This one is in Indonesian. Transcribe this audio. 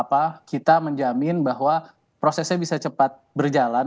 kita menjamin bahwa prosesnya bisa cepat berjalan